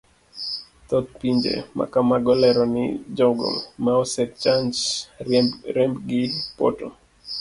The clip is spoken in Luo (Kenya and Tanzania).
Thoth pinje makamago lero ni jogo ma osechanj rembgi poto.